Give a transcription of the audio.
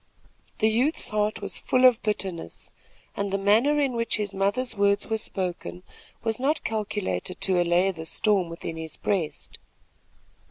The youth's heart was full of bitterness, and the manner in which his mother's words were spoken was not calculated to allay the storm within his breast.